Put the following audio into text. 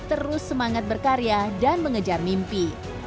terus semangat berkarya dan mengejar mimpi